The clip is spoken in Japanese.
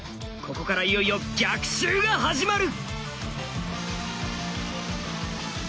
ここからいよいよ逆襲が始まる！